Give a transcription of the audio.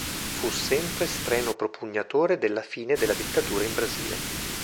Fu sempre strenuo propugnatore della fine della dittatura in Brasile.